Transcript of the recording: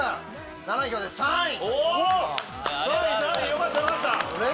よかったよかった！